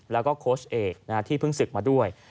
แล้วก็โค้ชเอกที่เพิ่งศึกมาด้วย